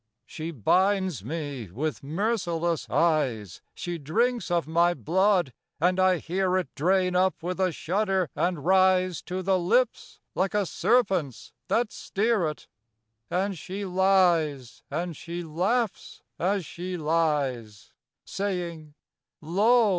She binds me with merciless eyes; She drinks of my blood; and I hear it Drain up with a shudder and rise To the lips, like a serpent's, that steer it; And she lies, and she laughs as she lies, Saying, "Lo!